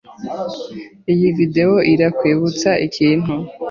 Iyi video irakwibutsa ikintu?